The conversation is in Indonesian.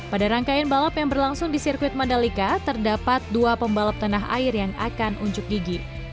pada rangkaian balap yang berlangsung di sirkuit mandalika terdapat dua pembalap tanah air yang akan unjuk gigi